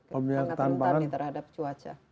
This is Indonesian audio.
pembayaran tanpa hutan di terhadap cuaca